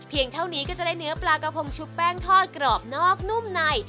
เท่านี้ก็จะได้เนื้อปลากระพงชุบแป้งทอดกรอบนอกนุ่มใน